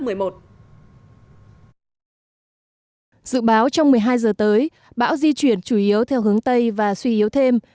dự báo trong một mươi hai giờ tới bão di chuyển chủ yếu theo hướng tây và suy yếu thêm